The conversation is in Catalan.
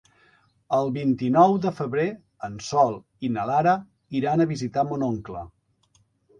El vint-i-nou de febrer en Sol i na Lara iran a visitar mon oncle.